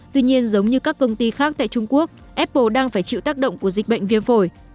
tuy nhiên giống như các công ty khác tại trung quốc apple đang phải chịu tác động của dịch bệnh viêm phổi